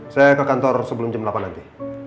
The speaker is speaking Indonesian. saya ke kantor sebelum jam delapan nanti